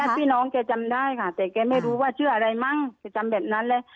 พี่น้องแกจำได้ค่ะแต่แกไม่รู้ว่าชื่ออะไรมั้งแกจำแบบนั้นเลย